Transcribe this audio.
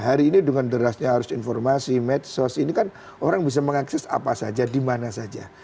hari ini dengan derasnya harus informasi medsos ini kan orang bisa mengakses apa saja di mana saja